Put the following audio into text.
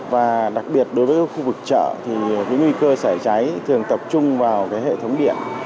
và đặc biệt đối với khu vực chợ thì những nguy cơ xảy cháy thường tập trung vào hệ thống điện